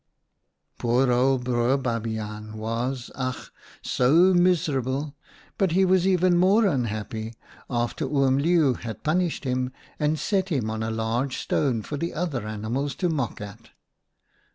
" Poor Old Broer Babiaan was, ach ! so miserable, but he was even more unhappy after Oom Leeuw had punished him and set him on a large stone for the other animals to mock at.